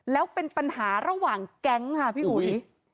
แล้วเป็นปัญหาระหว่างแก๊งค่ะพี่อุ๋ย